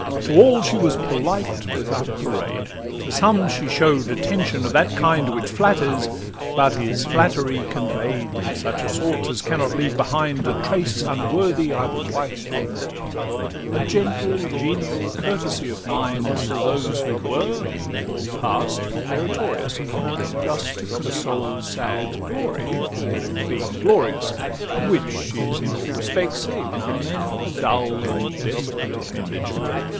XXXII To all she was polite without parade; To some she show'd attention of that kind Which flatters, but is flattery convey'd In such a sort as cannot leave behind A trace unworthy either wife or maid; A gentle, genial courtesy of mind, To those who were, or pass'd for meritorious, Just to console sad glory for being glorious; XXXIII Which is in all respects, save now and then, A dull and desolate appendage.